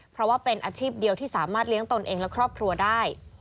เพราะว่าเป็นอาชีพเดียวที่สามารถเลี้ยงตนเองและครอบครัวได้